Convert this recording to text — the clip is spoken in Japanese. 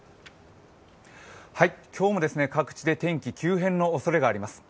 今日も各地で天気急変のおそれがあります。